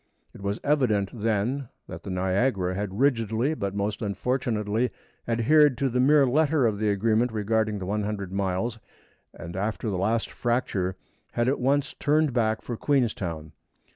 It was evident then that the Niagara had rigidly, but most unfortunately, adhered to the mere letter of the agreement regarding the 100 miles, and after the last fracture had at once turned back for Queenstown.